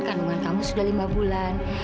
kandungan kamu sudah lima bulan